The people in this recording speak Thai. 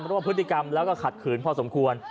เพราะว่าพฤติกรรมแล้วก็ขัดขืนพอสมควร